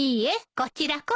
こちらこそ。